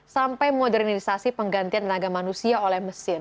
sampai modernisasi penggantian tenaga manusia oleh mesin